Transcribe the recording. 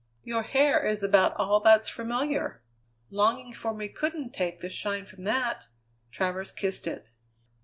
"Your hair is about all that's familiar; longing for me couldn't take the shine from that!" Travers kissed it.